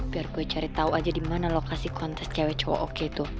biar gue cari tau aja dimana lokasi kontes cewe cowok oke itu